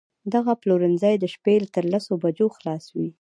دغه پلورنځی د شپې تر لسو بجو خلاص وي